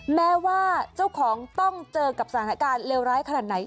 แม้ว่าเจ้าของต้องเจอกับสถานการณ์เลวร้ายขนาดไหน